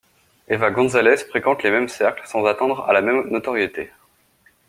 Eva Gonzalès fréquente les mêmes cercles, sans atteindre à la même notoriété.